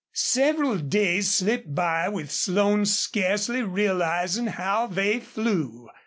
Several days slipped by with Slone scarcely realizing how they flew.